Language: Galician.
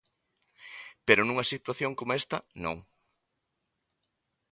Pero nunha situación coma esta, non.